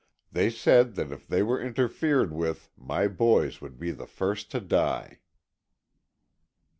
They said that if they were interfered with my boys would be the first to die."